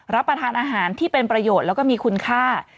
รับประทานอาหารที่เป็นประโยชน์แล้วก็มีคุณค่า